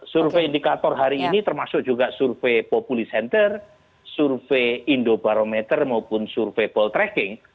survei indikator hari ini termasuk juga survei populisenter survei indobarometer maupun survei ball tracking